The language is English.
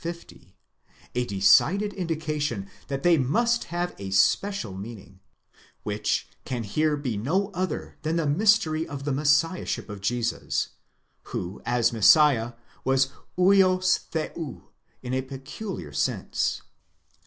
50), a decided indication that they must have a special meaning, which can here be no other than the mystery of the Messiahship of Jesus, who as Messiah, was vids θεοῦ in a peculiar sense.